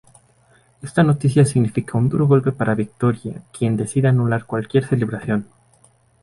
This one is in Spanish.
Esta noticia significa un duro golpe para Victoria quien decide anular cualquier celebración.